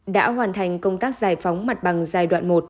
đã hoàn thành công tác giải phóng mặt bằng giai đoạn một